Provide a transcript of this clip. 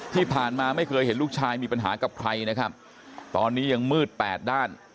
ที่ผ่านมาไม่เคยเห็นลูกชายมีปัญหากับใครนะครับตอนนี้ยังมืดแปดด้าน